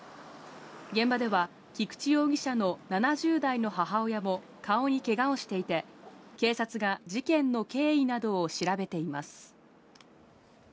現場では、菊池容疑者の７０代の母親も顔にけがをしていて、警察が事件の経緯などを調べています。